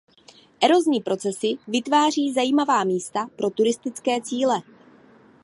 Erozní procesy vytváří zajímavá místa pro turistické cíle.